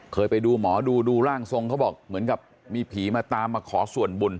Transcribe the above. เคยไปดูหมอดูดูร่างทรงเขาบอกเหมือนกับมีผีมาตามมาขอส่วนบุญ